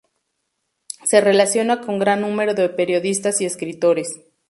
Se relaciona con gran número de periodistas y escritores.